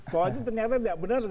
soalnya ternyata tidak benar